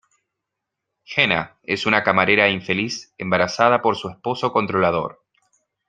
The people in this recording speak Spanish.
Jenna es una camarera infeliz embarazada por su esposo controlador.